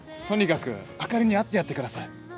とにかくあかりに会ってやってください。